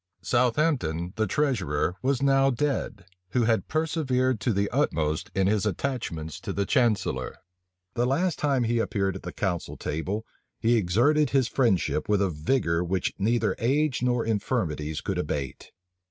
Southampton, the treasurer, was now dead, who had persevered to the utmost in his attachments to the chancellor. The last time he appeared at the council table, he exerted his friendship with a vigor which neither age nor infirmities could abate.